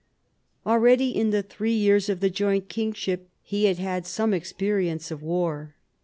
Already in the three years of the joint kingship he had had some experience of war.